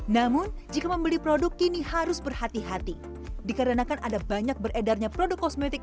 namun jika membeli produk kini harus berhati hati dikarenakan ada banyak beredarnya produk kosmetik